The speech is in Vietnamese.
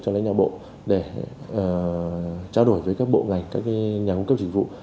cho lấy nhà bộ để trao đổi với các bộ ngành các nhà cung cấp chính phủ